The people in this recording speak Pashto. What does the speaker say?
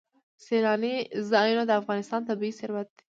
سیلانی ځایونه د افغانستان طبعي ثروت دی.